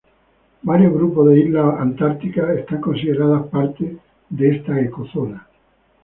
Varios grupos de islas antárticas son considerados parte de esta ecozona.